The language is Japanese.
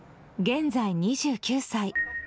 現在２９歳。